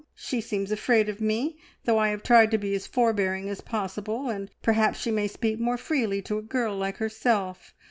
She seems afraid of me, though I have tried to be as forbearing as possible, and perhaps she may speak more freely to a girl like herself.